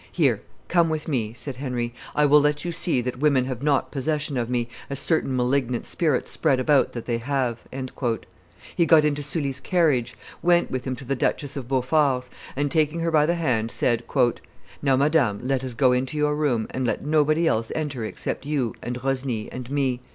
"Here, come with me," said Henry; "I will let you see that women have not possession of me, as certain malignant spirits spread about that they have." He got into Sully's carriage, went with him to the Duchess of Beaufort's, and, taking her by the hand, said, "Now, madame, let us go into your room, and let nobody else enter except you, and Rosny, and me.